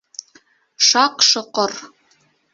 Шаҡ-Шоҡор